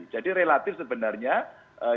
jadi relatif sebenarnya yang disampaikan